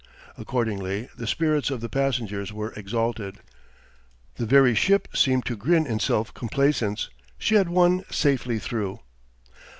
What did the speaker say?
Accordingly, the spirits of the passengers were exalted. The very ship seemed to grin in self complacence; she had won safely through.